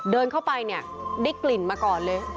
เดินเข้าไปเนี่ยได้กลิ่นมาก่อนเลย